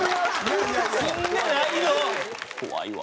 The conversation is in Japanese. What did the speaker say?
怖いわ。